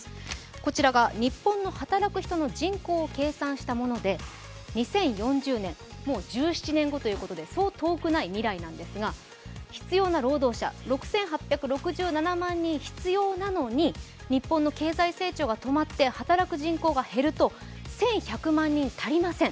こちらが日本の働く人の人口を計算したもので、２０４０年、もう１７年後ということでそう遠くない未来なんですが、必要な労働者、６８６７万人必要なのに日本の経済成長が止まって働く人口が減ると、１１００万人足りません。